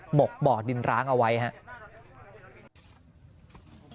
หกบ่อดินร้างเอาไว้ครับ